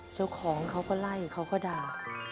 เจ้าของเขาก็ไล่เขาก็ด่า